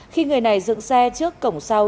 khi người này dựng xe trước cổng sau